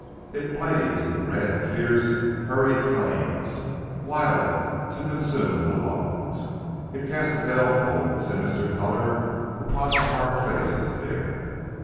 It blazed in red, fierce, hurried flames, wild to consume the logs. It cast a baleful and sinister color upon the hard faces there.